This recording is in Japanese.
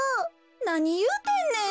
なにいうてんねん。